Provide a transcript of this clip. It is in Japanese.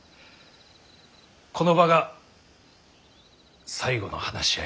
この場が最後の話し合いになるかと。